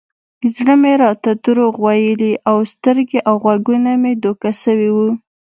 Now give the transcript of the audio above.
زړه مې راته دروغ ويلي و سترګې او غوږونه مې دوکه سوي وو.